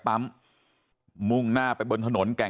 ครับคุณสาวทราบไหมครับ